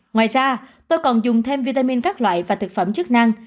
ngoài ra tôi còn dùng thêm vitamin các loại và thực phẩm chức năng